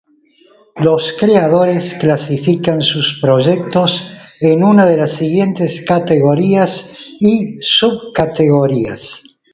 Los creadores clasifican sus proyectos en una de las siguientes categorías y subcategorías.